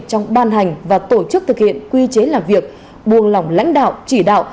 trong ban hành và tổ chức thực hiện quy chế làm việc buông lỏng lãnh đạo chỉ đạo